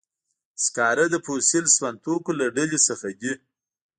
سکاره د فوسیل سون توکو له ډلې څخه دي.